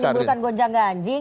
masa gak menimbulkan gonjang ganjing